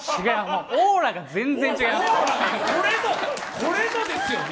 オーラが全然違いますね。